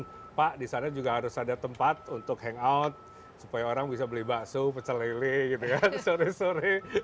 tapi yang lebih penting juga ada tempat untuk hangout supaya orang bisa beli bakso pecel leli sore sore